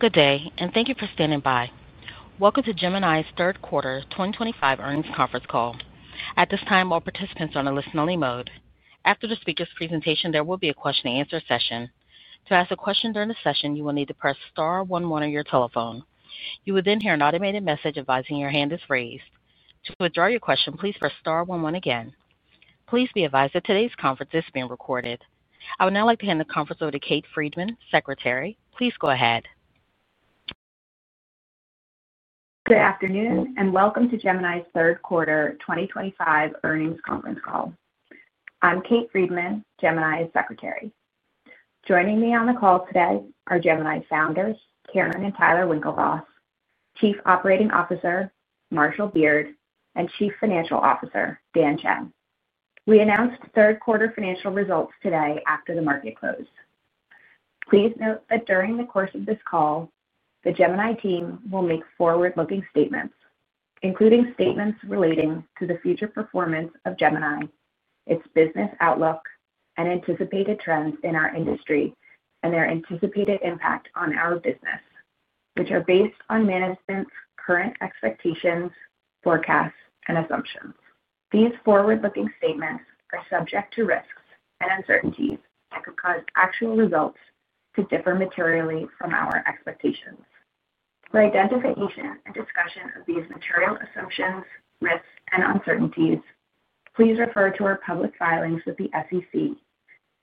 Good day, and thank you for standing by. Welcome to Gemini's third quarter 2025 earnings conference call. At this time, all participants are in a listen-only mode. After the speaker's presentation, there will be a question-and-answer session. To ask a question during the session, you will need to press star one, one on your telephone. You will then hear an automated message advising your hand is raised. To withdraw your question, please press star one, one again. Please be advised that today's conference is being recorded. I would now like to hand the conference over to Kate Friedman, Secretary. Please go ahead. Good afternoon, and welcome to Gemini's third quarter 2025 earnings conference call. I'm Kate Friedman, Gemini's Secretary. Joining me on the call today are Gemini founders Cameron and Tyler Winklevoss, Chief Operating Officer Marshall Beard, and Chief Financial Officer Dan Chen. We announced third quarter financial results today after the market closed. Please note that during the course of this call, the Gemini team will make forward-looking statements, including statements relating to the future performance of Gemini, its business outlook, and anticipated trends in our industry and their anticipated impact on our business, which are based on management's current expectations, forecasts, and assumptions. These forward-looking statements are subject to risks and uncertainties that could cause actual results to differ materially from our expectations. For identification and discussion of these material assumptions, risks, and uncertainties, please refer to our public filings with the SEC,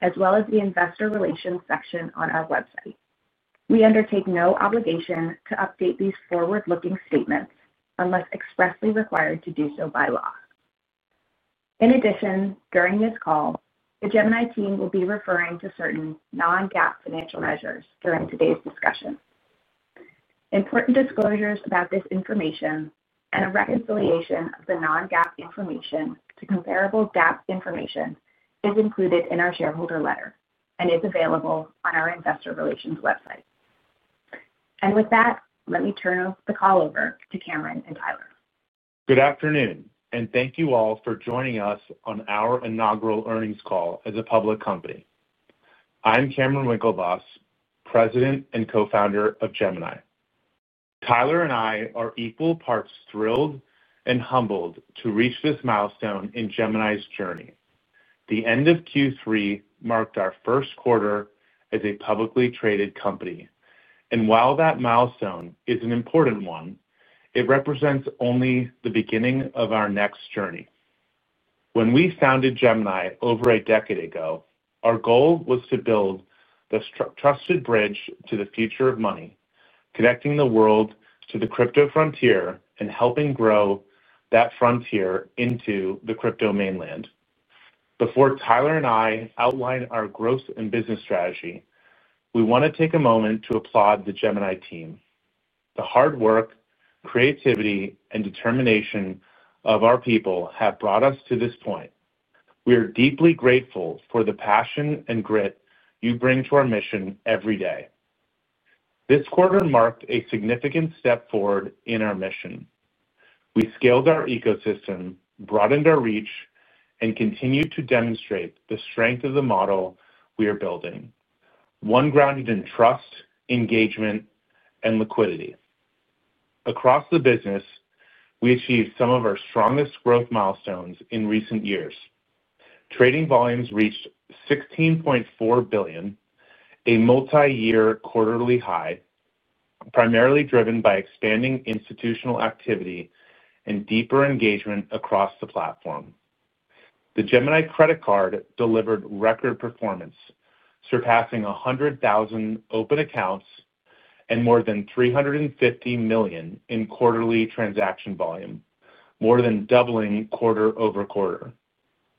as well as the investor relations section on our website. We undertake no obligation to update these forward-looking statements unless expressly required to do so by law. In addition, during this call, the Gemini team will be referring to certain non-GAAP financial measures during today's discussion. Important disclosures about this information and a reconciliation of the non-GAAP information to comparable GAAP information is included in our shareholder letter and is available on our investor relations website. With that, let me turn the call over to Cameron and Tyler. Good afternoon, and thank you all for joining us on our inaugural earnings call as a public company. I'm Cameron Winklevoss, President and Co-Founder of Gemini. Tyler and I are equal parts thrilled and humbled to reach this milestone in Gemini's journey. The end of Q3 marked our first quarter as a publicly traded company, and while that milestone is an important one, it represents only the beginning of our next journey. When we founded Gemini over a decade ago, our goal was to build the trusted bridge to the future of money, connecting the world to the crypto frontier and helping grow that frontier into the crypto mainland. Before Tyler and I outline our growth and business strategy, we want to take a moment to applaud the Gemini team. The hard work, creativity, and determination of our people have brought us to this point. We are deeply grateful for the passion and grit you bring to our mission every day. This quarter marked a significant step forward in our mission. We scaled our ecosystem, broadened our reach, and continued to demonstrate the strength of the model we are building, one grounded in trust, engagement, and liquidity. Across the business, we achieved some of our strongest growth milestones in recent years. Trading volumes reached $16.4 billion, a multi-year quarterly high, primarily driven by expanding institutional activity and deeper engagement across the platform. The Gemini Credit Card delivered record performance, surpassing 100,000 open accounts and more than $350 million in quarterly transaction volume, more than doubling quarter-over-quarter.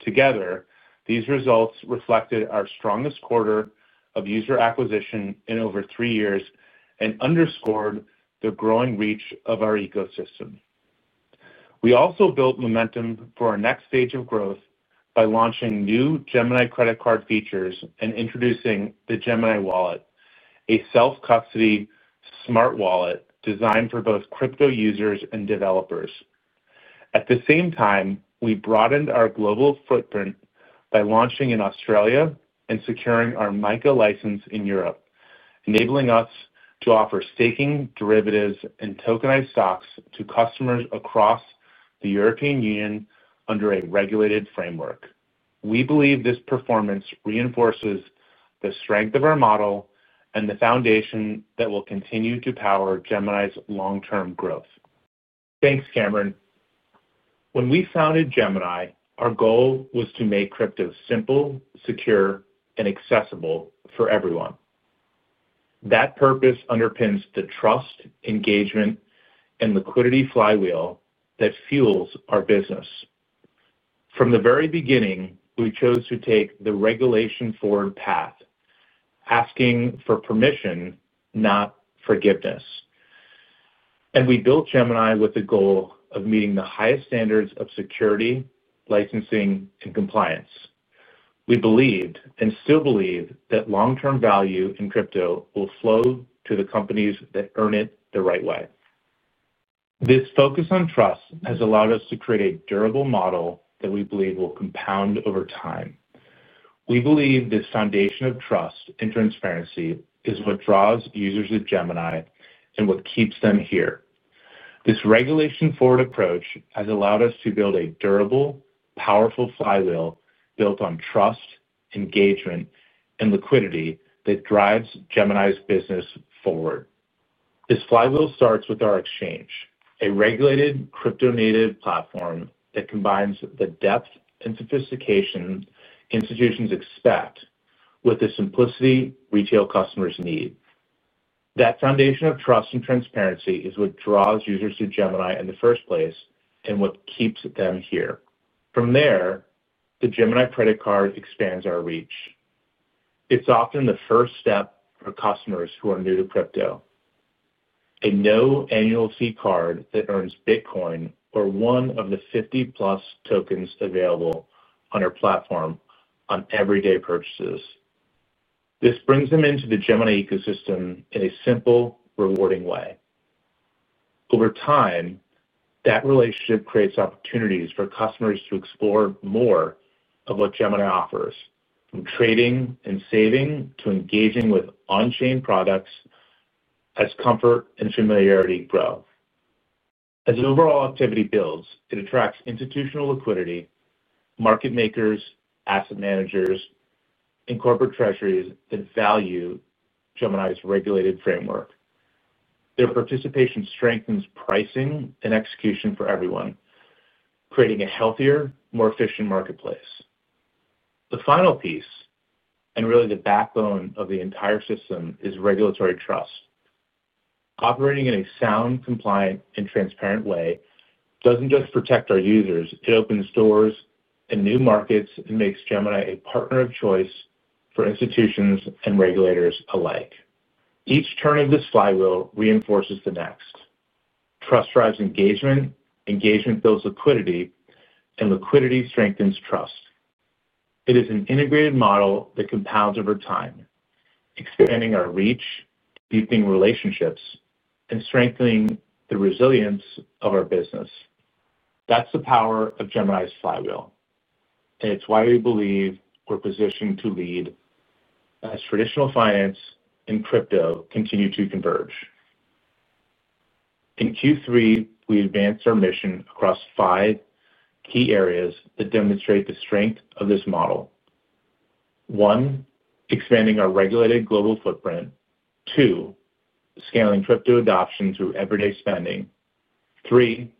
Together, these results reflected our strongest quarter of user acquisition in over three years and underscored the growing reach of our ecosystem. We also built momentum for our next stage of growth by launching new Gemini Credit Card features and introducing the Gemini Wallet, a self-custody smart wallet designed for both crypto users and developers. At the same time, we broadened our global footprint by launching in Australia and securing our MiCA license in Europe, enabling us to offer staking, derivatives, and tokenized stocks to customers across the European Union under a regulated framework. We believe this performance reinforces the strength of our model and the foundation that will continue to power Gemini's long-term growth. Thanks, Cameron. When we founded Gemini, our goal was to make crypto simple, secure, and accessible for everyone. That purpose underpins the trust, engagement, and liquidity flywheel that fuels our business. From the very beginning, we chose to take the regulation-forward path, asking for permission, not forgiveness. We built Gemini with the goal of meeting the highest standards of security, licensing, and compliance. We believed, and still believe, that long-term value in crypto will flow to the companies that earn it the right way. This focus on trust has allowed us to create a durable model that we believe will compound over time. We believe this foundation of trust and transparency is what draws users of Gemini and what keeps them here. This regulation-forward approach has allowed us to build a durable, powerful flywheel built on trust, engagement, and liquidity that drives Gemini's business forward. This flywheel starts with our exchange, a regulated crypto-native platform that combines the depth and sophistication institutions expect with the simplicity retail customers need. That foundation of trust and transparency is what draws users to Gemini in the first place and what keeps them here. From there, the Gemini credit card expands our reach. It's often the first step for customers who are new to crypto, a no-annual fee card that earns Bitcoin or one of the 50+ tokens available on our platform on everyday purchases. This brings them into the Gemini ecosystem in a simple, rewarding way. Over time, that relationship creates opportunities for customers to explore more of what Gemini offers, from trading and saving to engaging with on-chain products as comfort and familiarity grow. As overall activity builds, it attracts institutional liquidity, market makers, asset managers, and corporate treasuries that value Gemini's regulated framework. Their participation strengthens pricing and execution for everyone, creating a healthier, more efficient marketplace. The final piece, and really the backbone of the entire system, is regulatory trust. Operating in a sound, compliant, and transparent way doesn't just protect our users. It opens doors and new markets and makes Gemini a partner of choice for institutions and regulators alike. Each turn of this flywheel reinforces the next. Trust drives engagement, engagement builds liquidity, and liquidity strengthens trust. It is an integrated model that compounds over time, expanding our reach, deepening relationships, and strengthening the resilience of our business. That's the power of Gemini's flywheel, and it's why we believe we're positioned to lead as traditional finance and crypto continue to converge. In Q3, we advanced our mission across five key areas that demonstrate the strength of this model: one, expanding our regulated global footprint; two, scaling crypto adoption through everyday spending, three,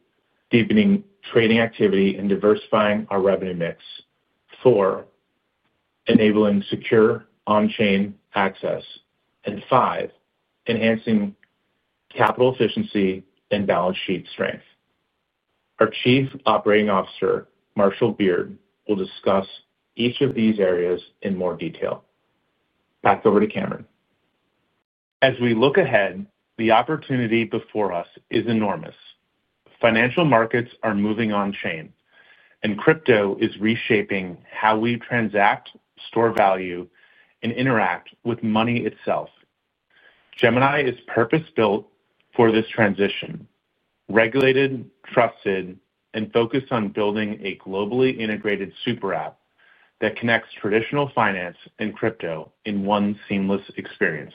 deepening trading activity and diversifying our revenue mix, four, enabling secure on-chain access, and five, enhancing capital efficiency and balance sheet strength. Our Chief Operating Officer, Marshall Beard, will discuss each of these areas in more detail. Back over to Cameron. As we look ahead, the opportunity before us is enormous. Financial markets are moving on-chain, and crypto is reshaping how we transact, store value, and interact with money itself. Gemini is purpose-built for this transition: regulated, trusted, and focused on building a globally integrated super app that connects traditional finance and crypto in one seamless experience.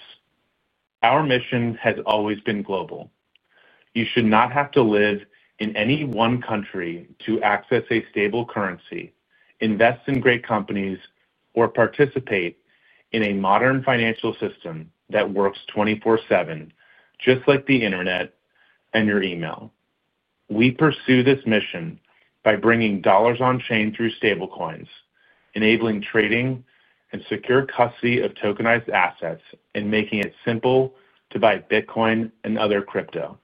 Our mission has always been global. You should not have to live in any one country to access a stable currency, invest in great companies, or participate in a modern financial system that works 24/7, just like the internet and your email. We pursue this mission by bringing dollars on-chain through stablecoins, enabling trading and secure custody of tokenized assets, and making it simple to buy Bitcoin and other crypto.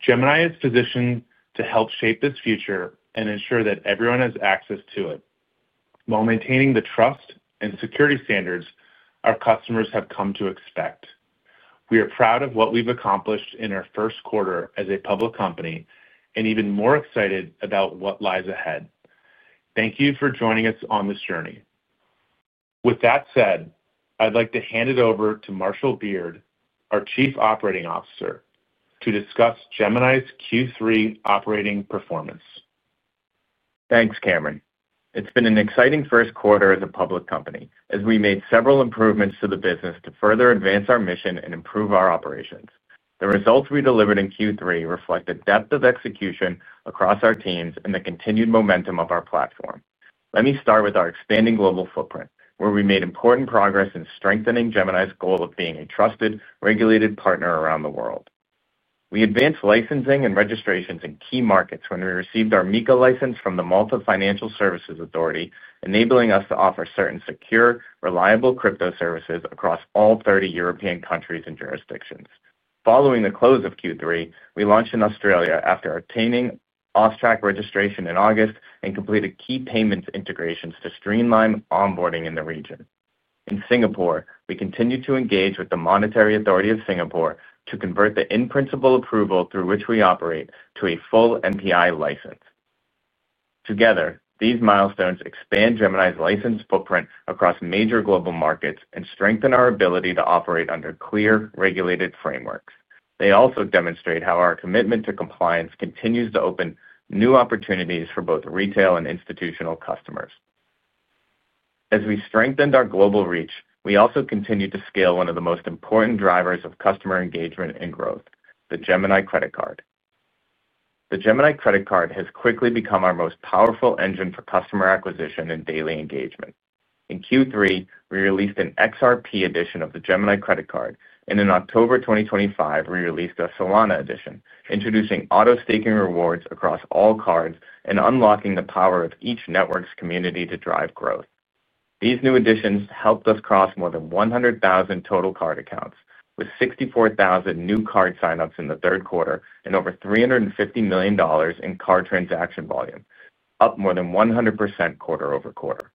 Gemini is positioned to help shape this future and ensure that everyone has access to it, while maintaining the trust and security standards our customers have come to expect. We are proud of what we've accomplished in our first quarter as a public company and even more excited about what lies ahead. Thank you for joining us on this journey. With that said, I'd like to hand it over to Marshall Beard, our Chief Operating Officer, to discuss Gemini's Q3 operating performance. Thanks, Cameron. It's been an exciting first quarter as a public company, as we made several improvements to the business to further advance our mission and improve our operations. The results we delivered in Q3 reflect the depth of execution across our teams and the continued momentum of our platform. Let me start with our expanding global footprint, where we made important progress in strengthening Gemini's goal of being a trusted, regulated partner around the world. We advanced licensing and registrations in key markets when we received our MiCA license from the Malta Financial Services Authority, enabling us to offer certain secure, reliable crypto services across all 30 European countries and jurisdictions. Following the close of Q3, we launched in Australia after obtaining AUSTRAC registration in August and completed key payments integrations to streamline onboarding in the region. In Singapore, we continued to engage with the Monetary Authority of Singapore to convert the in-principal approval through which we operate to a full MPI license. Together, these milestones expand Gemini's license footprint across major global markets and strengthen our ability to operate under clear, regulated frameworks. They also demonstrate how our commitment to compliance continues to open new opportunities for both retail and institutional customers. As we strengthened our global reach, we also continued to scale one of the most important drivers of customer engagement and growth: the Gemini credit card. The Gemini credit card has quickly become our most powerful engine for customer acquisition and daily engagement. In Q3, we released an XRP edition of the Gemini credit card, and in October 2023, we released a Solana edition, introducing auto staking rewards across all cards and unlocking the power of each network's community to drive growth. These new additions helped us cross more than 100,000 total card accounts, with 64,000 new card signups in the third quarter and over $350 million in card transaction volume, up more than 100% quarter-over-quarter.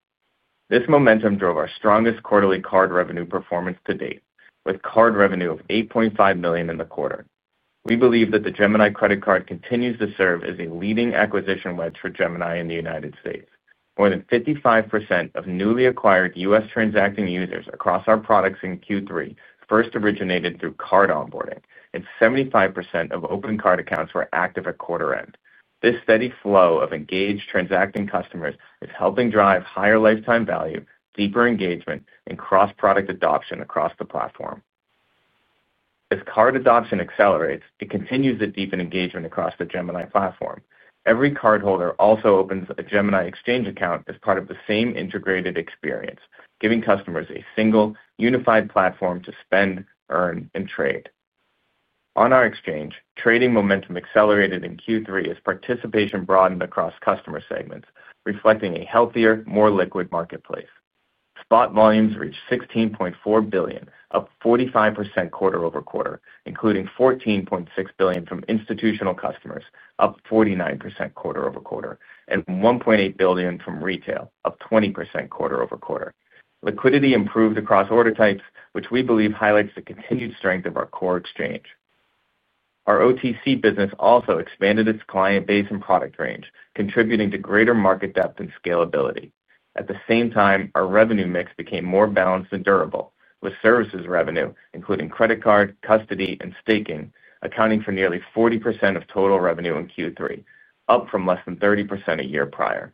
This momentum drove our strongest quarterly card revenue performance to date, with card revenue of $8.5 million in the quarter. We believe that the Gemini credit card continues to serve as a leading acquisition wedge for Gemini in the U.S. More than 55% of newly acquired U.S. transacting users across our products in Q3 first originated through card onboarding, and 75% of open card accounts were active at quarter end. This steady flow of engaged transacting customers is helping drive higher lifetime value, deeper engagement, and cross-product adoption across the platform. As card adoption accelerates, it continues to deepen engagement across the Gemini platform. Every cardholder also opens a Gemini exchange account as part of the same integrated experience, giving customers a single, unified platform to spend, earn, and trade. On our exchange, trading momentum accelerated in Q3 as participation broadened across customer segments, reflecting a healthier, more liquid marketplace. Spot volumes reached $16.4 billion, up 45% quarter-over-quarter, including $14.6 billion from institutional customers, up 49% quarter-over-quarter, and $1.8 billion from retail, up 20% quarter-over-quarter. Liquidity improved across order types, which we believe highlights the continued strength of our core exchange. Our OTC business also expanded its client base and product range, contributing to greater market depth and scalability. At the same time, our revenue mix became more balanced and durable, with services revenue, including credit card, custody, and staking, accounting for nearly 40% of total revenue in Q3, up from less than 30% a year prior.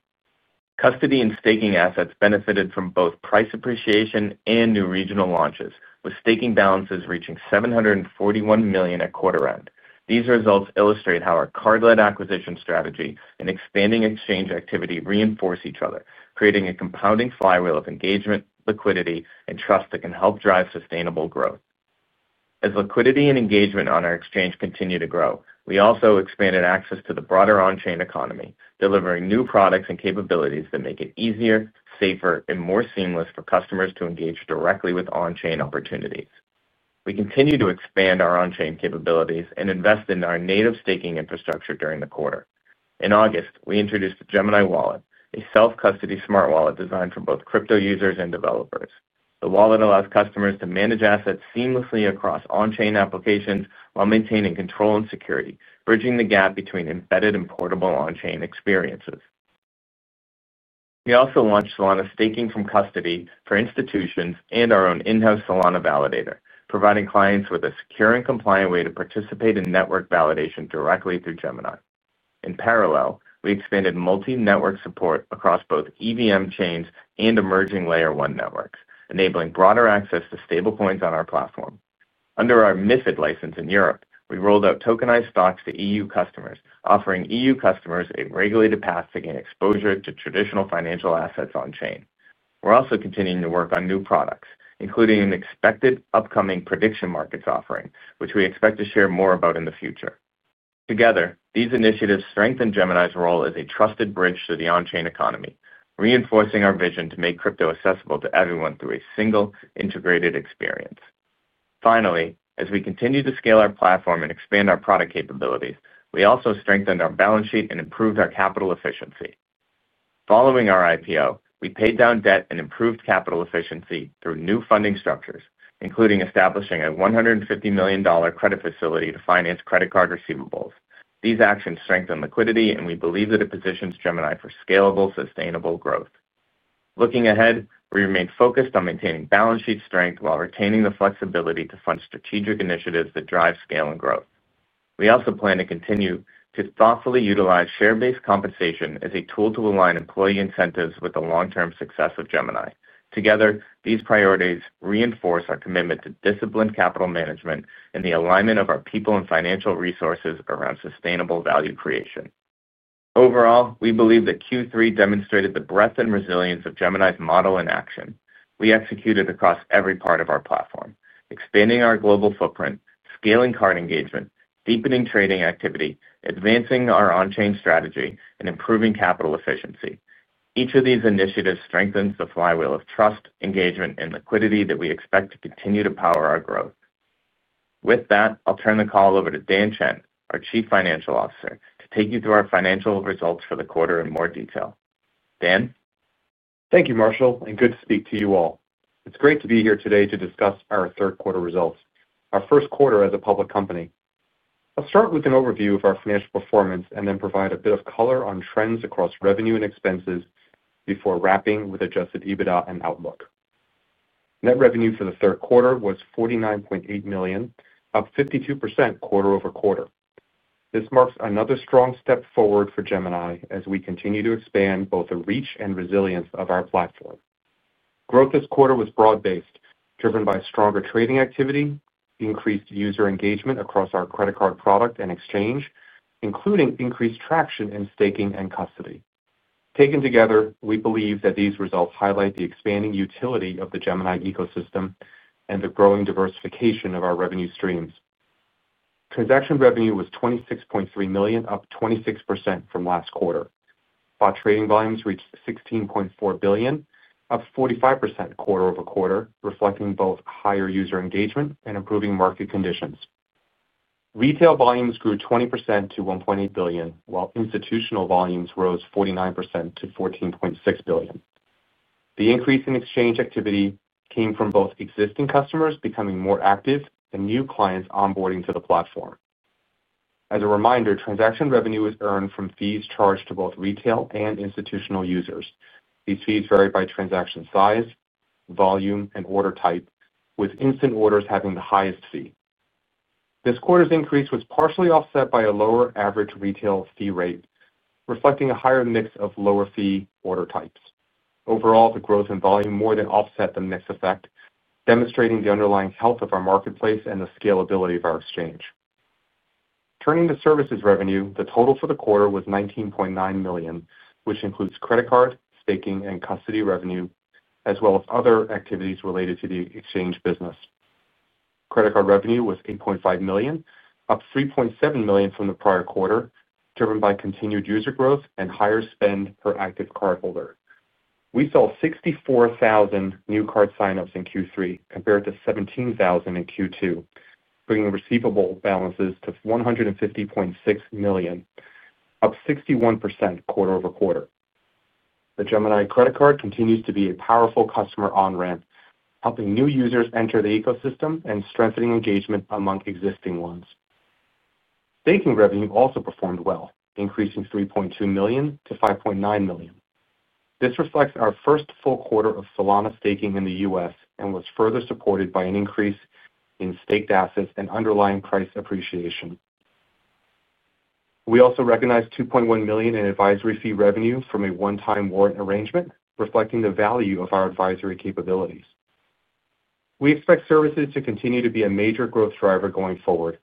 Custody and staking assets benefited from both price appreciation and new regional launches, with staking balances reaching $741 million at quarter end. These results illustrate how our card-led acquisition strategy and expanding exchange activity reinforce each other, creating a compounding flywheel of engagement, liquidity, and trust that can help drive sustainable growth. As liquidity and engagement on our exchange continue to grow, we also expanded access to the broader on-chain economy, delivering new products and capabilities that make it easier, safer, and more seamless for customers to engage directly with on-chain opportunities. We continue to expand our on-chain capabilities and invest in our native staking infrastructure during the quarter. In August, we introduced the Gemini Wallet, a self-custody smart wallet designed for both crypto users and developers. The wallet allows customers to manage assets seamlessly across on-chain applications while maintaining control and security, bridging the gap between embedded and portable on-chain experiences. We also launched Solana Staking from Custody for institutions and our own in-house Solana Validator, providing clients with a secure and compliant way to participate in network validation directly through Gemini. In parallel, we expanded multi-network support across both EVM chains and emerging Layer 1 networks, enabling broader access to stablecoins on our platform. Under our MiFID license in Europe, we rolled out tokenized stocks to EU customers, offering EU customers a regulated path to gain exposure to traditional financial assets on-chain. We're also continuing to work on new products, including an expected upcoming prediction markets offering, which we expect to share more about in the future. Together, these initiatives strengthen Gemini's role as a trusted bridge to the on-chain economy, reinforcing our vision to make crypto accessible to everyone through a single, integrated experience. Finally, as we continue to scale our platform and expand our product capabilities, we also strengthened our balance sheet and improved our capital efficiency. Following our IPO, we paid down debt and improved capital efficiency through new funding structures, including establishing a $150 million credit facility to finance credit card receivables. These actions strengthen liquidity, and we believe that it positions Gemini for scalable, sustainable growth. Looking ahead, we remain focused on maintaining balance sheet strength while retaining the flexibility to fund strategic initiatives that drive scale and growth. We also plan to continue to thoughtfully utilize share-based compensation as a tool to align employee incentives with the long-term success of Gemini. Together, these priorities reinforce our commitment to disciplined capital management and the alignment of our people and financial resources around sustainable value creation. Overall, we believe that Q3 demonstrated the breadth and resilience of Gemini's model in action. We executed across every part of our platform, expanding our global footprint, scaling card engagement, deepening trading activity, advancing our on-chain strategy, and improving capital efficiency. Each of these initiatives strengthens the flywheel of trust, engagement, and liquidity that we expect to continue to power our growth. With that, I'll turn the call over to Dan Chen, our Chief Financial Officer, to take you through our financial results for the quarter in more detail. Dan? Thank you, Marshall, and good to speak to you all. It's great to be here today to discuss our third quarter results, our first quarter as a public company. I'll start with an overview of our financial performance and then provide a bit of color on trends across revenue and expenses before wrapping with adjusted EBITDA and outlook. Net revenue for the third quarter was $49.8 million, up 52% quarter-over-quarter. This marks another strong step forward for Gemini as we continue to expand both the reach and resilience of our platform. Growth this quarter was broad-based, driven by stronger trading activity, increased user engagement across our credit card product and exchange, including increased traction in staking and custody. Taken together, we believe that these results highlight the expanding utility of the Gemini ecosystem and the growing diversification of our revenue streams. Transaction revenue was $26.3 million, up 26% from last quarter. Spot trading volumes reached $16.4 billion, up 45% quarter-over-quarter, reflecting both higher user engagement and improving market conditions. Retail volumes grew 20% to $1.8 billion, while institutional volumes rose 49% to $14.6 billion. The increase in exchange activity came from both existing customers becoming more active and new clients onboarding to the platform. As a reminder, transaction revenue is earned from fees charged to both retail and institutional users. These fees vary by transaction size, volume, and order type, with instant orders having the highest fee. This quarter's increase was partially offset by a lower average retail fee rate, reflecting a higher mix of lower fee order types. Overall, the growth in volume more than offset the mix effect, demonstrating the underlying health of our marketplace and the scalability of our exchange. Turning to services revenue, the total for the quarter was $19.9 million, which includes credit card, staking, and custody revenue, as well as other activities related to the exchange business. Credit card revenue was $8.5 million, up $3.7 million from the prior quarter, driven by continued user growth and higher spend per active cardholder. We saw 64,000 new card signups in Q3 compared to 17,000 in Q2, bringing receivable balances to $150.6 million, up 61% quarter-over-quarter. The Gemini credit card continues to be a powerful customer on-ramp, helping new users enter the ecosystem and strengthening engagement among existing ones. Staking revenue also performed well, increasing $3.2 million-$5.9 million. This reflects our first full quarter of Solana staking in the U.S. and was further supported by an increase in staked assets and underlying price appreciation. We also recognized $2.1 million in advisory fee revenue from a one-time warrant arrangement, reflecting the value of our advisory capabilities. We expect services to continue to be a major growth driver going forward,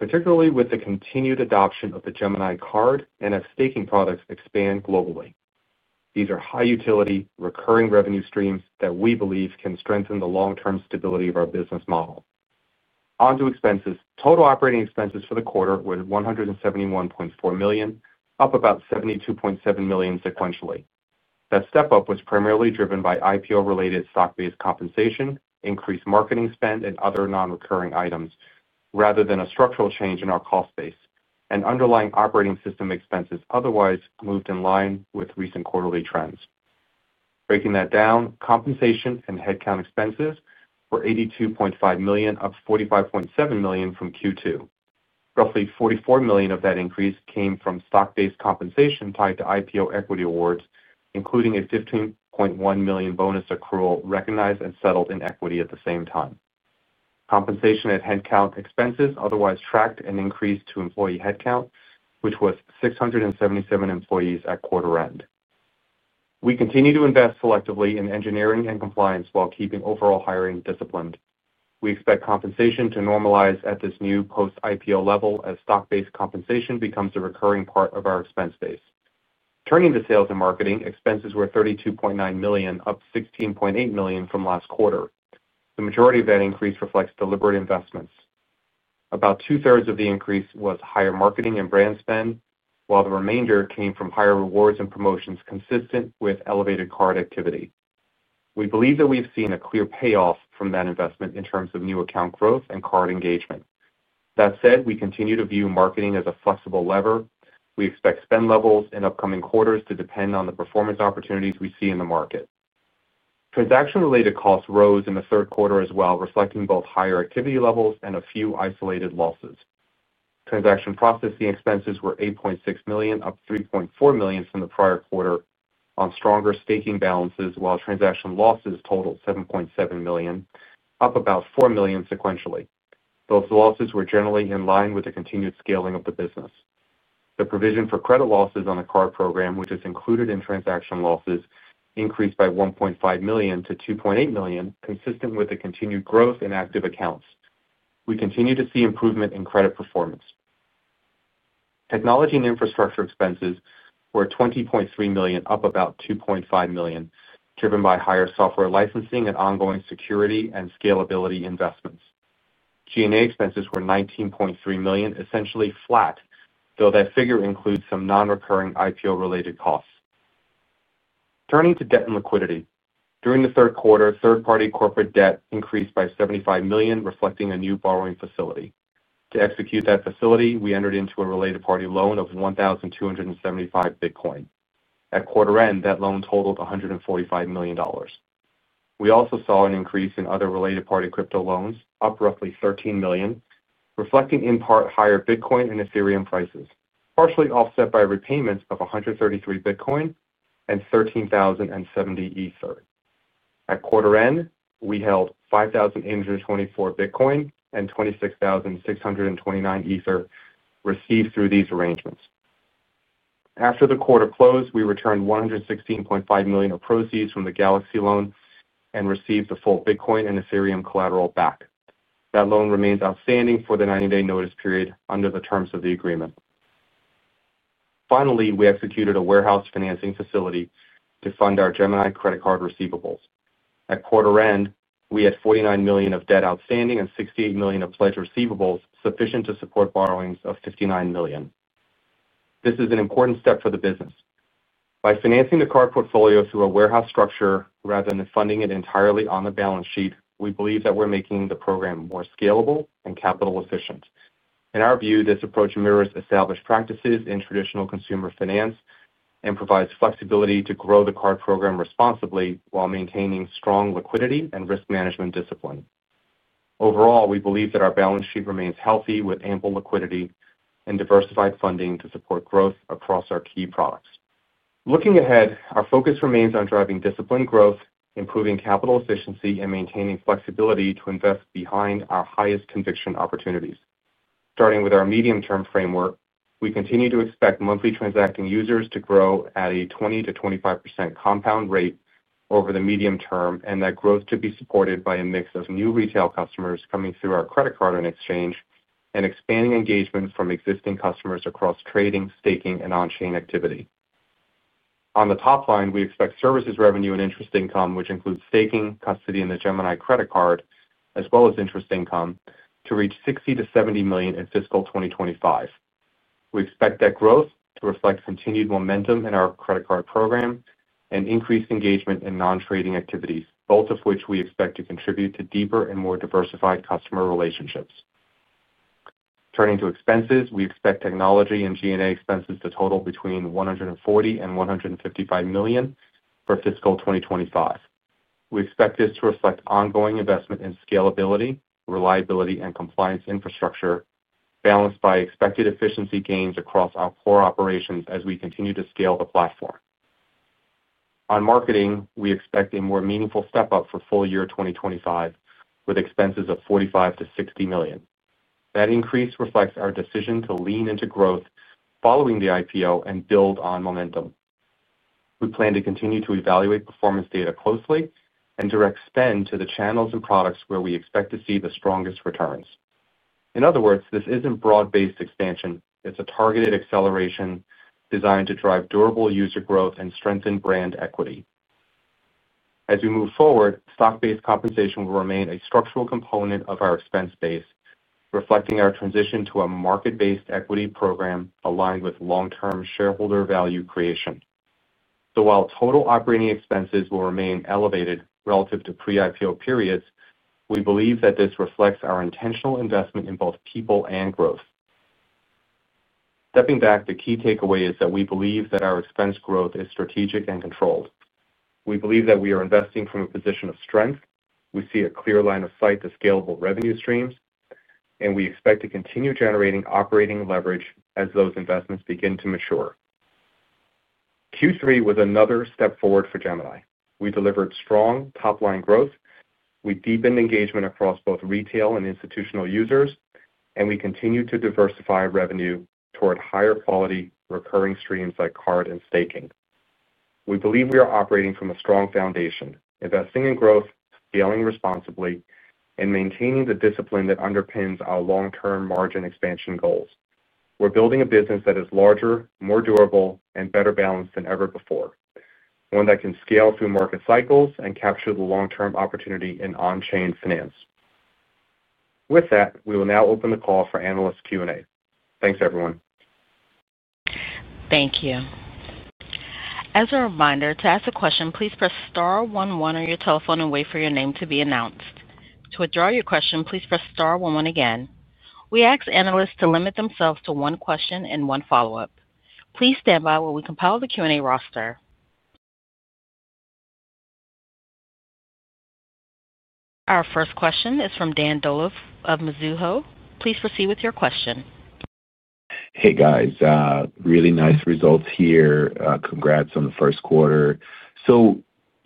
particularly with the continued adoption of the Gemini card and as staking products expand globally. These are high-utility, recurring revenue streams that we believe can strengthen the long-term stability of our business model. On to expenses. Total operating expenses for the quarter were $171.4 million, up about $72.7 million sequentially. That step-up was primarily driven by IPO-related stock-based compensation, increased marketing spend, and other non-recurring items, rather than a structural change in our cost base. Underlying operating system expenses otherwise moved in line with recent quarterly trends. Breaking that down, compensation and headcount expenses were $82.5 million, up $45.7 million from Q2. Roughly $44 million of that increase came from stock-based compensation tied to IPO equity awards, including a $15.1 million bonus accrual recognized and settled in equity at the same time. Compensation and headcount expenses otherwise tracked and increased to employee headcount, which was 677 employees at quarter end. We continue to invest selectively in engineering and compliance while keeping overall hiring disciplined. We expect compensation to normalize at this new post-IPO level as stock-based compensation becomes a recurring part of our expense base. Turning to sales and marketing, expenses were $32.9 million, up $16.8 million from last quarter. The majority of that increase reflects deliberate investments. About two-thirds of the increase was higher marketing and brand spend, while the remainder came from higher rewards and promotions consistent with elevated card activity. We believe that we've seen a clear payoff from that investment in terms of new account growth and card engagement. That said, we continue to view marketing as a flexible lever. We expect spend levels in upcoming quarters to depend on the performance opportunities we see in the market. Transaction-related costs rose in the third quarter as well, reflecting both higher activity levels and a few isolated losses. Transaction processing expenses were $8.6 million, up $3.4 million from the prior quarter, on stronger staking balances, while transaction losses totaled $7.7 million, up about $4 million sequentially. Those losses were generally in line with the continued scaling of the business. The provision for credit losses on the card program, which is included in transaction losses, increased by $1.5 million to $2.8 million, consistent with the continued growth in active accounts. We continue to see improvement in credit performance. Technology and infrastructure expenses were $20.3 million, up about $2.5 million, driven by higher software licensing and ongoing security and scalability investments. G&A expenses were $19.3 million, essentially flat, though that figure includes some non-recurring IPO-related costs. Turning to debt and liquidity. During the third quarter, third-party corporate debt increased by $75 million, reflecting a new borrowing facility. To execute that facility, we entered into a related-party loan of 1,275 Bitcoin. At quarter end, that loan totaled $145 million. We also saw an increase in other related-party crypto loans, up roughly $13 million, reflecting in part higher Bitcoin and Ether prices, partially offset by repayments of 133 Bitcoin and 13,070 Ether. At quarter end, we held 5,824 Bitcoin and 26,629 Ether received through these arrangements. After the quarter closed, we returned $116.5 million of proceeds from the Galaxy loan and received the full Bitcoin and Ether collateral back. That loan remains outstanding for the 90-day notice period under the terms of the agreement. Finally, we executed a warehouse financing facility to fund our Gemini credit card receivables. At quarter end, we had $49 million of debt outstanding and $68 million of pledged receivables sufficient to support borrowings of $59 million. This is an important step for the business. By financing the card portfolio through a warehouse structure rather than funding it entirely on the balance sheet, we believe that we're making the program more scalable and capital efficient. In our view, this approach mirrors established practices in traditional consumer finance and provides flexibility to grow the card program responsibly while maintaining strong liquidity and risk management discipline. Overall, we believe that our balance sheet remains healthy with ample liquidity and diversified funding to support growth across our key products. Looking ahead, our focus remains on driving disciplined growth, improving capital efficiency, and maintaining flexibility to invest behind our highest conviction opportunities. Starting with our medium-term framework, we continue to expect monthly transacting users to grow at a 20%-25% compound rate over the medium term and that growth could be supported by a mix of new retail customers coming through our credit card and exchange and expanding engagement from existing customers across trading, staking, and on-chain activity. On the top line, we expect services revenue and interest income, which includes staking, custody, and the Gemini credit card, as well as interest income, to reach $60 million-$70 million in fiscal 2025. We expect that growth to reflect continued momentum in our credit card program and increased engagement in non-trading activities, both of which we expect to contribute to deeper and more diversified customer relationships. Turning to expenses, we expect technology and G&A expenses to total between $140 million and $155 million for fiscal 2025. We expect this to reflect ongoing investment in scalability, reliability, and compliance infrastructure, balanced by expected efficiency gains across our core operations as we continue to scale the platform. On marketing, we expect a more meaningful step-up for full year 2025, with expenses of $45 million-$60 million. That increase reflects our decision to lean into growth following the IPO and build on momentum. We plan to continue to evaluate performance data closely and direct spend to the channels and products where we expect to see the strongest returns. In other words, this is not broad-based expansion. It is a targeted acceleration designed to drive durable user growth and strengthen brand equity. As we move forward, stock-based compensation will remain a structural component of our expense base, reflecting our transition to a market-based equity program aligned with long-term shareholder value creation. While total operating expenses will remain elevated relative to pre-IPO periods, we believe that this reflects our intentional investment in both people and growth. Stepping back, the key takeaway is that we believe that our expense growth is strategic and controlled. We believe that we are investing from a position of strength. We see a clear line of sight to scalable revenue streams, and we expect to continue generating operating leverage as those investments begin to mature. Q3 was another step forward for Gemini. We delivered strong top-line growth. We deepened engagement across both retail and institutional users, and we continued to diversify revenue toward higher-quality recurring streams like card and staking. We believe we are operating from a strong foundation, investing in growth, scaling responsibly, and maintaining the discipline that underpins our long-term margin expansion goals. We're building a business that is larger, more durable, and better balanced than ever before, one that can scale through market cycles and capture the long-term opportunity in on-chain finance. With that, we will now open the call for analyst Q&A. Thanks, everyone. Thank you. As a reminder, to ask a question, please press star one one on your telephone and wait for your name to be announced. To withdraw your question, please press star one one again. We ask analysts to limit themselves to one question and one follow-up. Please stand by while we compile the Q&A roster. Our first question is from Dan Dolev of Mizuho. Please proceed with your question. Hey, guys. Really nice results here. Congrats on the first quarter.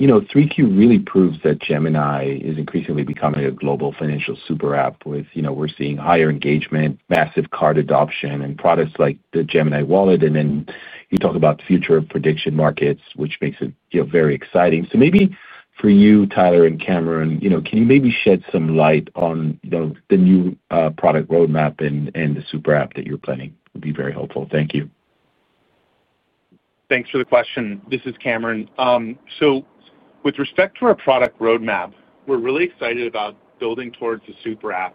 3Q really proves that Gemini is increasingly becoming a global financial super app with, you know, we're seeing higher engagement, massive card adoption, and products like the Gemini Wallet. You talk about the future of prediction markets, which makes it, you know, very exciting. Maybe for you, Tyler and Cameron, you know, can you maybe shed some light on, you know, the new product roadmap and the super app that you're planning? It would be very helpful. Thank you. Thanks for the question. This is Cameron. With respect to our product roadmap, we're really excited about building towards the super app,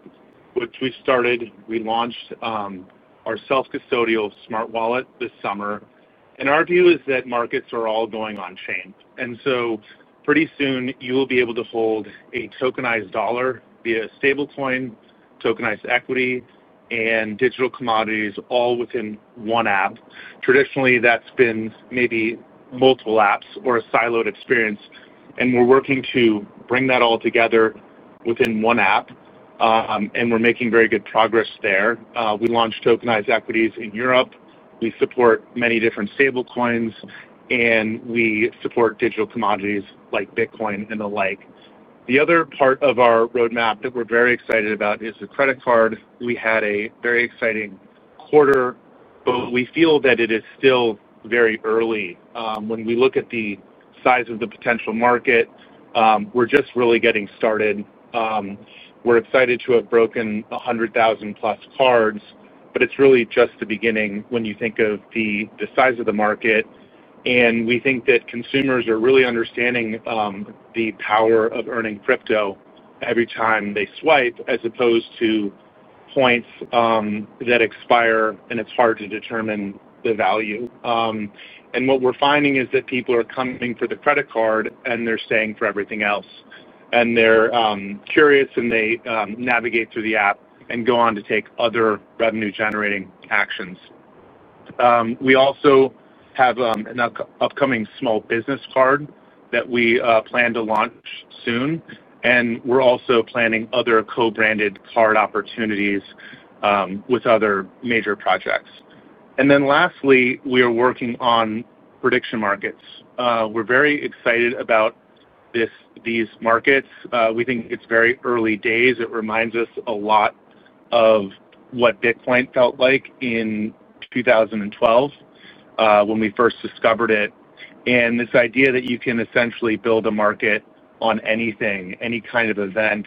which we started. We launched our self-custody smart wallet this summer. Our view is that markets are all going on-chain. Pretty soon, you will be able to hold a tokenized dollar via stablecoin, tokenized equity, and digital commodities, all within one app. Traditionally, that has been maybe multiple apps or a siloed experience. We are working to bring that all together within one app. We are making very good progress there. We launched tokenized equities in Europe. We support many different stablecoins, and we support digital commodities like Bitcoin and the like. The other part of our roadmap that we are very excited about is the credit card. We had a very exciting quarter, but we feel that it is still very early. When we look at the size of the potential market, we are just really getting started. We are excited to have broken 100,000+ cards, but it is really just the beginning when you think of the size of the market. We think that consumers are really understanding the power of earning crypto every time they swipe, as opposed to points that expire, and it's hard to determine the value. What we're finding is that people are coming for the credit card, and they're staying for everything else. They're curious, and they navigate through the app and go on to take other revenue-generating actions. We also have an upcoming small business card that we plan to launch soon. We're also planning other co-branded card opportunities with other major projects. Lastly, we are working on prediction markets. We're very excited about these markets. We think it's very early days. It reminds us a lot of what Bitcoin felt like in 2012 when we first discovered it. This idea that you can essentially build a market on anything, any kind of event,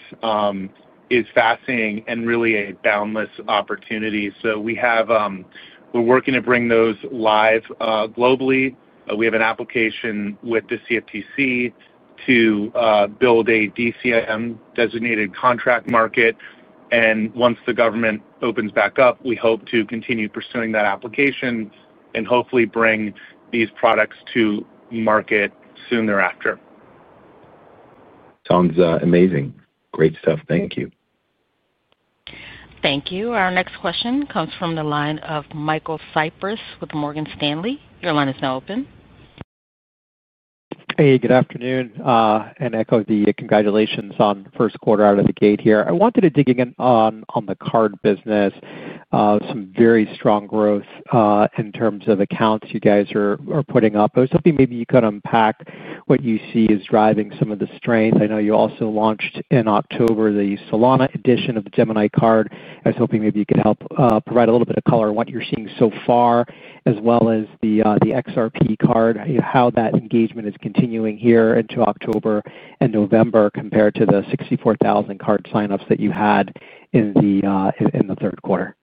is fascinating and really a boundless opportunity. We are working to bring those live globally. We have an application with the CFTC to build a DCM designated contract market. Once the government opens back up, we hope to continue pursuing that application and hopefully bring these products to market soon thereafter. Sounds amazing. Great stuff. Thank you. Thank you. Our next question comes from the line of Michael Cyprys with Morgan Stanley. Your line is now open. Hey, good afternoon. Echo the congratulations on first quarter out of the gate here. I wanted to dig in on the card business. Some very strong growth in terms of accounts you guys are putting up. I was hoping maybe you could unpack what you see as driving some of the strength. I know you also launched in October the Solana edition of the Gemini card. I was hoping maybe you could help provide a little bit of color on what you're seeing so far, as well as the XRP card, how that engagement is continuing here into October and November compared to the 64,000 card signups that you had in the third quarter.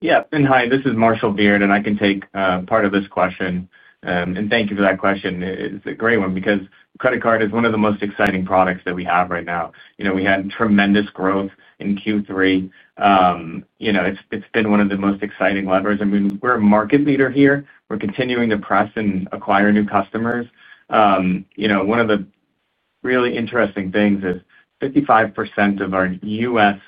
Yeah. Hi, this is Marshall Beard, and I can take part of this question. Thank you for that question. It's a great one because credit card is one of the most exciting products that we have right now. You know, we had tremendous growth in Q3. You know, it's been one of the most exciting levers. I mean, we're a market leader here. We're continuing to press and acquire new customers. You know, one of the really interesting things is 55% of our U.S.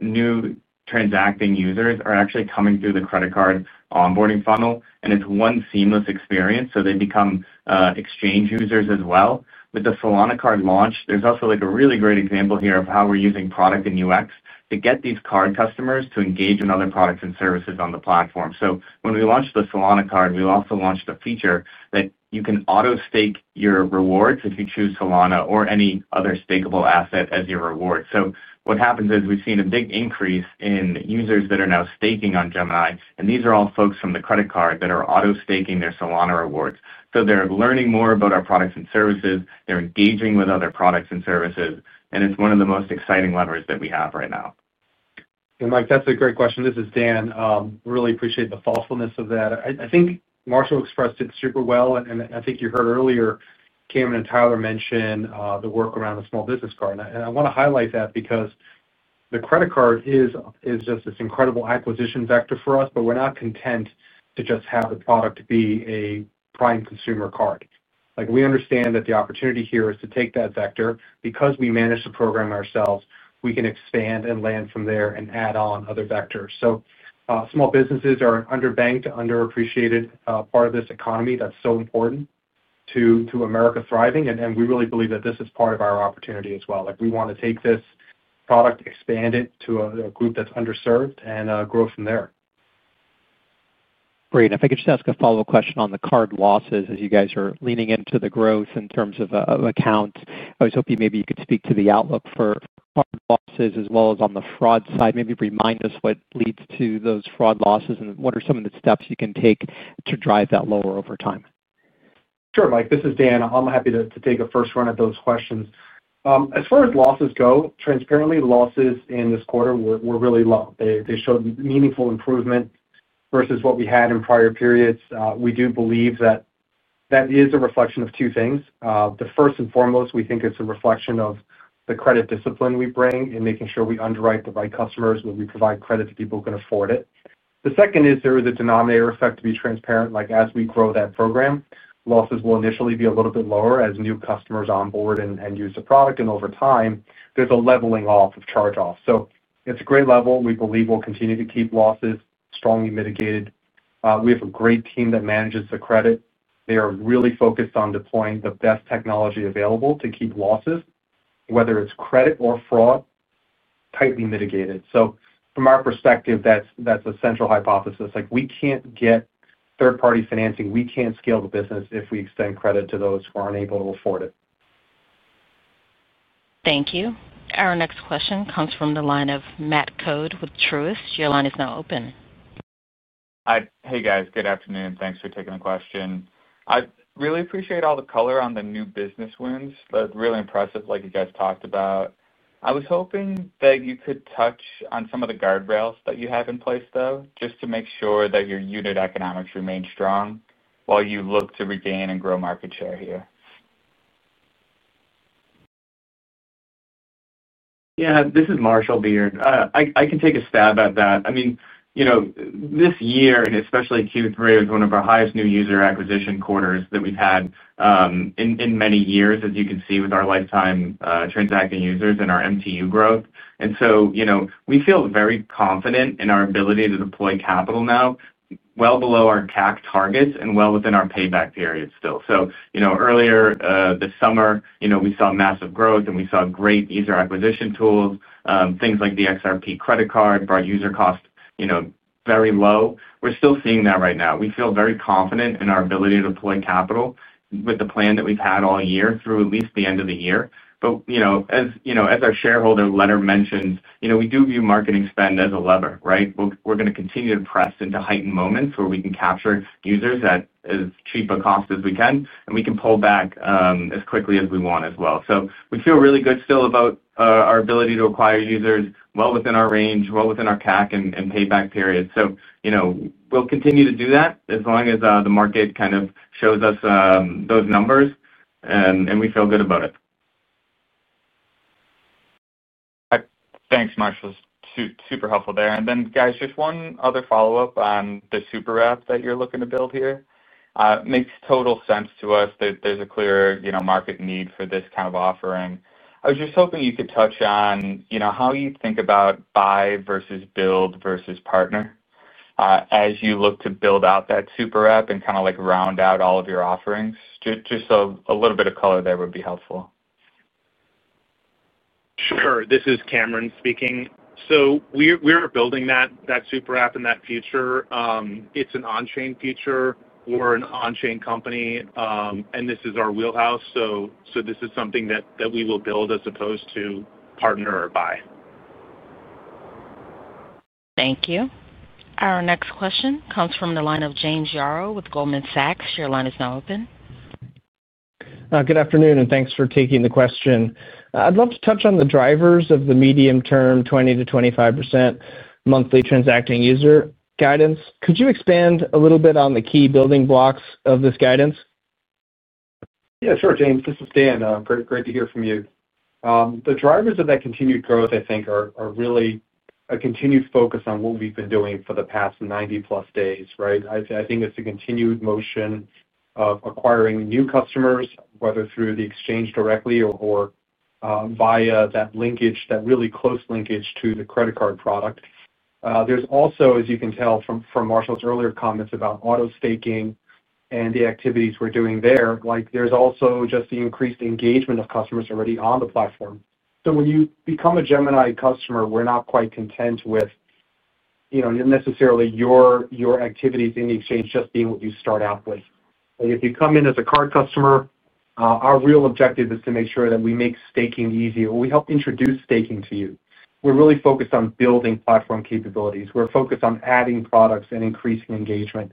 new transacting users are actually coming through the credit card onboarding funnel. It is one seamless experience. They become exchange users as well. With the Solana card launch, there is also a really great example here of how we are using product and UX to get these card customers to engage in other products and services on the platform. When we launched the Solana card, we also launched a feature that you can auto stake your rewards if you choose Solana or any other stakeable asset as your reward. What happens is we have seen a big increase in users that are now staking on Gemini. These are all folks from the credit card that are auto staking their Solana rewards. They are learning more about our products and services. They are engaging with other products and services. It is one of the most exciting levers that we have right now. Mike, that is a great question. This is Dan. Really appreciate the thoughtfulness of that. I think Marshall expressed it super well. I think you heard earlier, Cameron and Tyler mentioned the work around the small business card. I want to highlight that because the credit card is just this incredible acquisition vector for us, but we are not content to just have the product be a prime consumer card. We understand that the opportunity here is to take that vector. Because we manage the program ourselves, we can expand and land from there and add on other vectors. Small businesses are an underbanked, underappreciated part of this economy that is so important to America thriving. We really believe that this is part of our opportunity as well. Like we want to take this product, expand it to a group that's underserved, and grow from there. Great. If I could just ask a follow-up question on the card losses as you guys are leaning into the growth in terms of accounts. I was hoping maybe you could speak to the outlook for card losses as well as on the fraud side. Maybe remind us what leads to those fraud losses and what are some of the steps you can take to drive that lower over time. Sure, Mike. This is Dan. I'm happy to take a first run at those questions. As far as losses go, transparently, losses in this quarter were really low. They showed meaningful improvement versus what we had in prior periods. We do believe that that is a reflection of two things. The first and foremost, we think it's a reflection of the credit discipline we bring and making sure we underwrite the right customers when we provide credit to people who can afford it. The second is there is a denominator effect to be transparent. Like as we grow that program, losses will initially be a little bit lower as new customers onboard and use the product. Over time, there's a leveling off of charge-off. It's a great level. We believe we'll continue to keep losses strongly mitigated. We have a great team that manages the credit. They are really focused on deploying the best technology available to keep losses, whether it's credit or fraud, tightly mitigated. From our perspective, that's a central hypothesis. Like we can't get third-party financing. We can't scale the business if we extend credit to those who are unable to afford it. Thank you. Our next question comes from the line of Matt Coad with Truist. Your line is now open. Hi, hey guys. Good afternoon. Thanks for taking the question. I really appreciate all the color on the new business wins. That's really impressive, like you guys talked about. I was hoping that you could touch on some of the guardrails that you have in place, though, just to make sure that your unit economics remain strong while you look to regain and grow market share here. Yeah, this is Marshall Beard. I can take a stab at that. I mean, you know, this year, and especially Q3, was one of our highest new user acquisition quarters that we've had in many years, as you can see with our lifetime transacting users and our MTU growth. You know, we feel very confident in our ability to deploy capital now, well below our CAC targets and well within our payback period still. You know, earlier this summer, we saw massive growth and we saw great user acquisition tools. Things like the XRP credit card brought user costs, you know, very low. We're still seeing that right now. We feel very confident in our ability to deploy capital with the plan that we've had all year through at least the end of the year. As you know, as our shareholder letter mentions, you know, we do view marketing spend as a lever, right? We're going to continue to press into heightened moments where we can capture users at as cheap a cost as we can, and we can pull back as quickly as we want as well. We feel really good still about our ability to acquire users well within our range, well within our CAC and payback period. You know, we'll continue to do that as long as the market kind of shows us those numbers and we feel good about it. Thanks, Marcels. Super helpful there. Then, guys, just one other follow-up on the super app that you're looking to build here. Makes total sense to us that there's a clear, you know, market need for this kind of offering. I was just hoping you could touch on, you know, how you think about buy versus build versus partner as you look to build out that super app and kind of like round out all of your offerings. Just a little bit of color there would be helpful. Sure. This is Cameron speaking. We're building that super app in that future. It's an on-chain future. We're an on-chain company, and this is our wheelhouse. This is something that we will build as opposed to partner or buy. Thank you. Our next question comes from the line of James Yarrow with Goldman Sachs. Your line is now open. Good afternoon, and thanks for taking the question. I'd love to touch on the drivers of the medium-term 20%-25% monthly transacting user guidance. Could you expand a little bit on the key building blocks of this guidance? Yeah, sure, James. This is Dan. Great to hear from you. The drivers of that continued growth, I think, are really a continued focus on what we've been doing for the past 90+ days, right? I think it's a continued motion of acquiring new customers, whether through the exchange directly or via that linkage, that really close linkage to the credit card product. There's also, as you can tell from Marshall's earlier comments about auto staking and the activities we're doing there, like there's also just the increased engagement of customers already on the platform. When you become a Gemini customer, we're not quite content with, you know, necessarily your activities in the exchange just being what you start out with. If you come in as a card customer, our real objective is to make sure that we make staking easier. We help introduce staking to you. We're really focused on building platform capabilities. We're focused on adding products and increasing engagement.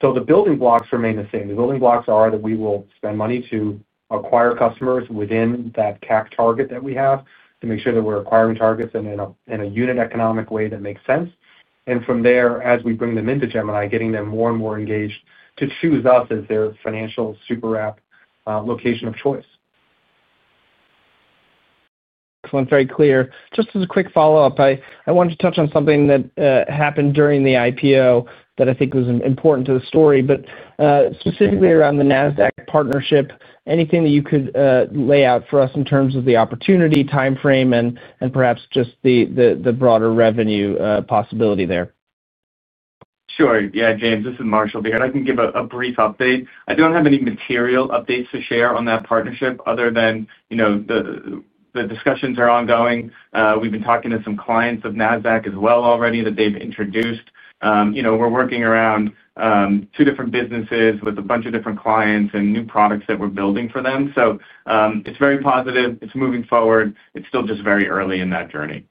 The building blocks remain the same. The building blocks are that we will spend money to acquire customers within that CAC target that we have to make sure that we're acquiring targets in a unit economic way that makes sense. From there, as we bring them into Gemini, getting them more and more engaged to choose us as their financial super app location of choice. Sounds very clear. Just as a quick follow-up, I wanted to touch on something that happened during the IPO that I think was important to the story, but specifically around the Nasdaq partnership. Anything that you could lay out for us in terms of the opportunity timeframe and perhaps just the broader revenue possibility there? Sure. Yeah, James, this is Marshall Beard. I can give a brief update. I do not have any material updates to share on that partnership other than, you know, the discussions are ongoing. We have been talking to some clients of Nasdaq as well already that they have introduced. You know, we are working around two different businesses with a bunch of different clients and new products that we are building for them. It is very positive. It is moving forward. It is still just very early in that journey.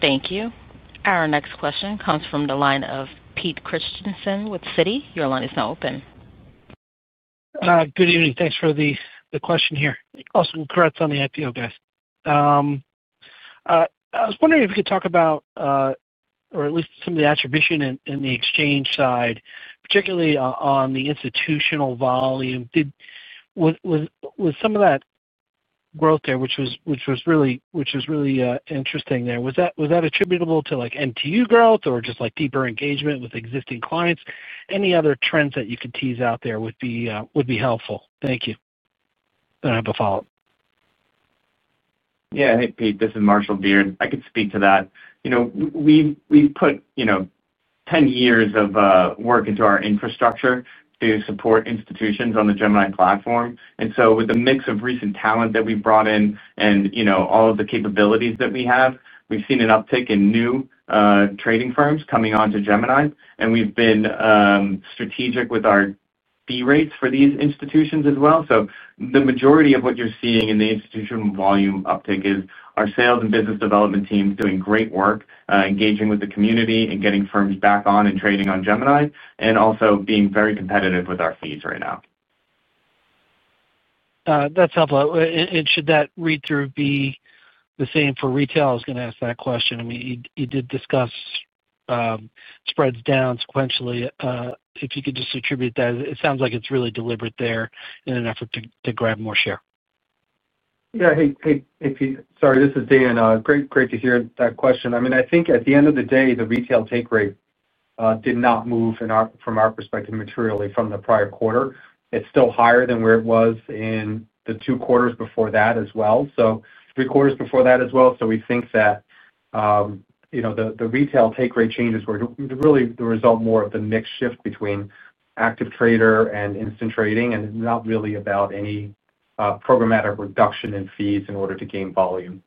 Thank you. Our next question comes from the line of Pete Christensen with Citi. Your line is now open. Good evening. Thanks for the question here. Awesome. Correct on the IPO, guys. I was wondering if you could talk about, or at least some of the attribution in the exchange side, particularly on the institutional volume. With some of that growth there, which was really interesting there, was that attributable to like MTU growth or just like deeper engagement with existing clients? Any other trends that you could tease out there would be helpful. Thank you. I do not have a follow-up. Yeah, hey, Pete, this is Marshall Beard. I could speak to that. You know, we have put 10 years of work into our infrastructure to support institutions on the Gemini platform. With the mix of recent talent that we've brought in and, you know, all of the capabilities that we have, we've seen an uptick in new trading firms coming on to Gemini. We've been strategic with our fee rates for these institutions as well. The majority of what you're seeing in the institutional volume uptick is our sales and business development teams doing great work, engaging with the community and getting firms back on and trading on Gemini, and also being very competitive with our fees right now. That's helpful. Should that read-through be the same for retail? I was going to ask that question. I mean, you did discuss spreads down sequentially. If you could just attribute that, it sounds like it's really deliberate there in an effort to grab more share. Yeah, hey, Pete, sorry, this is Dan. Great to hear that question.I mean, I think at the end of the day, the retail take rate did not move, from our perspective, materially from the prior quarter. It is still higher than where it was in the two quarters before that as well. So three quarters before that as well. We think that, you know, the retail take rate changes were really the result more of the mixed shift between active trader and instant trading, and it is not really about any programmatic reduction in fees in order to gain volume.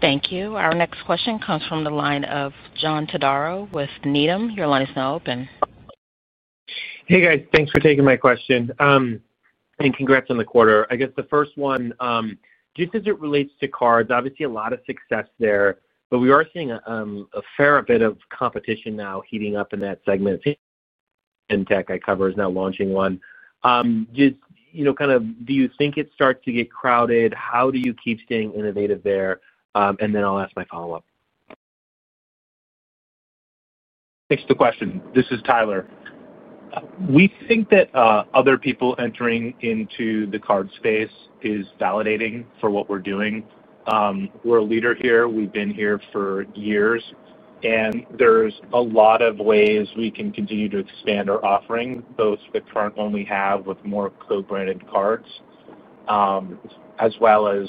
Thank you. Our next question comes from the line of John Tadaro with Needham. Your line is now open. Hey, guys, thanks for taking my question. And congrats on the quarter. I guess the first one, just as it relates to cards, obviously a lot of success there, but we are seeing a fair bit of competition now heating up in that segment. FinTech, I cover, is now launching one. Just, you know, kind of, do you think it starts to get crowded? How do you keep staying innovative there? And then I'll ask my follow-up. Thanks for the question. This is Tyler. We think that other people entering into the card space is validating for what we're doing. We're a leader here. We've been here for years. And there's a lot of ways we can continue to expand our offering, both the current only have with more co-branded cards, as well as,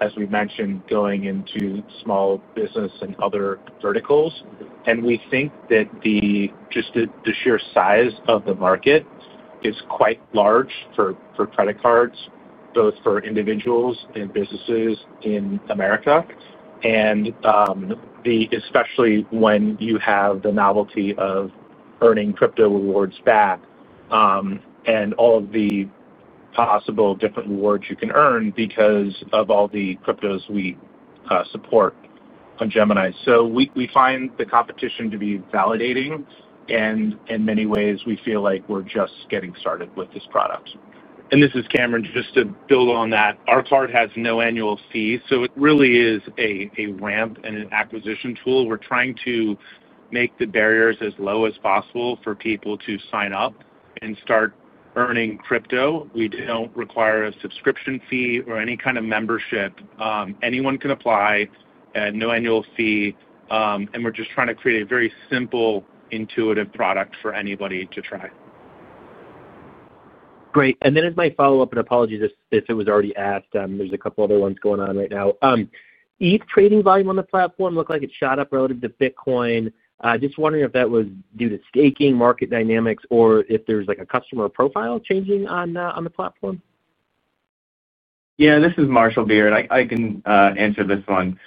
as we mentioned, going into small business and other verticals. We think that just the sheer size of the market is quite large for credit cards, both for individuals and businesses in America. Especially when you have the novelty of earning crypto rewards back and all of the possible different rewards you can earn because of all the cryptos we support on Gemini. We find the competition to be validating. In many ways, we feel like we're just getting started with this product. This is Cameron, just to build on that. Our card has no annual fee. It really is a ramp and an acquisition tool. We're trying to make the barriers as low as possible for people to sign up and start earning crypto. We don't require a subscription fee or any kind of membership. Anyone can apply and no annual fee. We are just trying to create a very simple, intuitive product for anybody to try. Great. As my follow-up, and apologies if it was already asked, there are a couple other ones going on right now. ETH trading volume on the platform looked like it shot up relative to Bitcoin. Just wondering if that was due to staking, market dynamics, or if there is like a customer profile changing on the platform? Yeah, this is Marshall Beard. I can answer this one.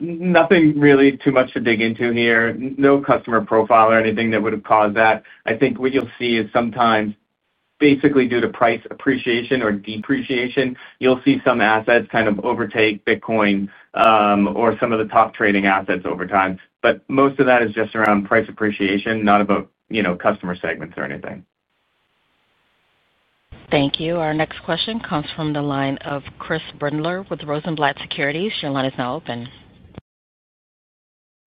Nothing really too much to dig into here. No customer profile or anything that would have caused that. I think what you will see is sometimes, basically due to price appreciation or depreciation, you will see some assets kind of overtake Bitcoin or some of the top trading assets over time. Most of that is just around price appreciation, not about, you know, customer segments or anything. Thank you. Our next question comes from the line of Chris Brundler with Rosenblatt Securities. Your line is now open.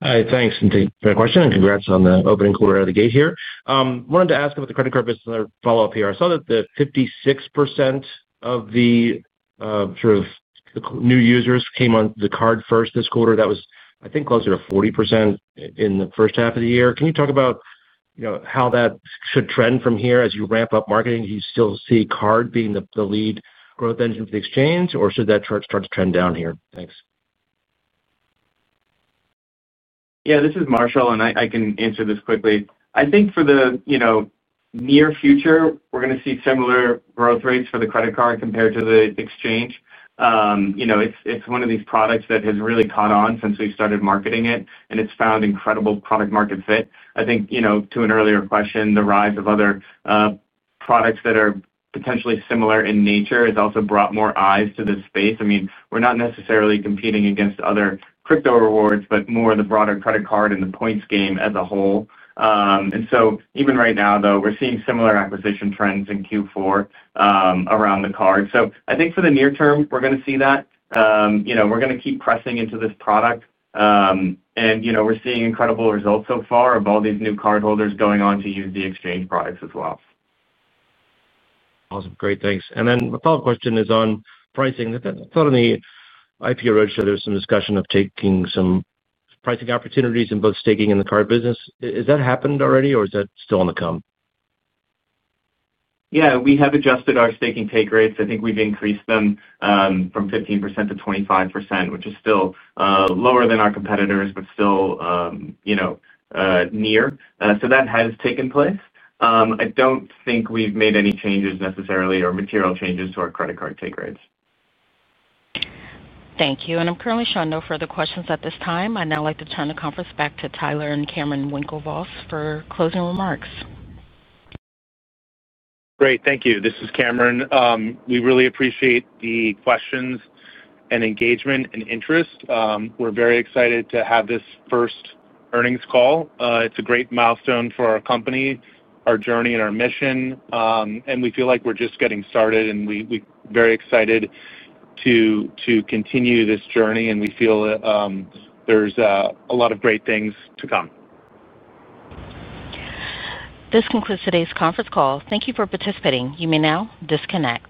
Hi, thanks, Cynthia, for the question. And congrats on the opening quarter out of the gate here. I wanted to ask about the credit card business and follow-up here. I saw that 56% of the sort of new users came on the card first this quarter. That was, I think, closer to 40% in the first half of the year. Can you talk about, you know, how that should trend from here as you ramp up marketing? Do you still see card being the lead growth engine for the exchange, or should that start to trend down here? Thanks. Yeah, this is Marshall and I can answer this quickly. I think for the, you know, near future, we're going to see similar growth rates for the credit card compared to the exchange. You know, it's one of these products that has really caught on since we've started marketing it, and it's found incredible product-market fit. I think, you know, to an earlier question, the rise of other products that are potentially similar in nature has also brought more eyes to this space. I mean, we're not necessarily competing against other crypto rewards, but more the broader credit card and the points game as a whole. Even right now, though, we're seeing similar acquisition trends in Q4 around the card. I think for the near term, we're going to see that. You know, we're going to keep pressing into this product. You know, we're seeing incredible results so far of all these new cardholders going on to use the exchange products as well. Awesome. Great. Thanks. And then my follow-up question is on pricing. I thought on the IPO roadshow, there was some discussion of taking some pricing opportunities in both staking and the card business. Has that happened already, or is that still on the come? Yeah, we have adjusted our staking take rates. I think we've increased them from 15%-25%, which is still lower than our competitors, but still, you know, near. So that has taken place. I don't think we've made any changes necessarily or material changes to our credit card take rates. Thank you. I'm currently showing no further questions at this time. I'd now like to turn the conference back to Tyler and Cameron Winklevoss for closing remarks. Great. Thank you. This is Cameron. We really appreciate the questions and engagement and interest. We're very excited to have this first earnings call. It's a great milestone for our company, our journey, and our mission. We feel like we're just getting started, and we're very excited to continue this journey. We feel there's a lot of great things to come. This concludes today's conference call. Thank you for participating. You may now disconnect.